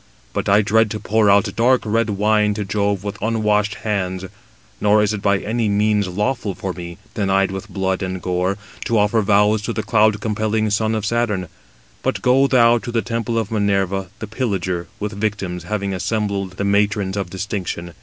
But I dread to pour out dark red wine to Jove with unwashed hands: nor is it by any means lawful for me, denied with blood and gore, to offer vows to the cloud compelling son of Saturn. But go thou to the temple of Minerva the pillager, with victims, having assembled the matrons of distinction.